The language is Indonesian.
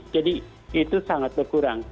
jadi itu sangat berkurang